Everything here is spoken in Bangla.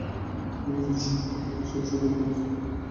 আমাদের জন্য সুখবর, এসব সফল মানুষের তালিকায় যুক্ত হয়েছেন বাংলাদেশের দুজন।